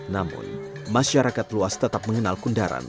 namun masyarakat luas tetap mengenal kundaran